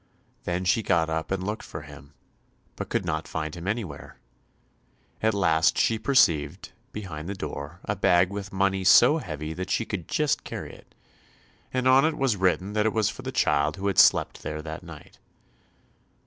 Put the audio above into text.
Then she got up and looked for him, but could not find him anywhere; at last she perceived, behind the door, a bag with money so heavy that she could just carry it, and on it was written that it was for the child who had slept there that night.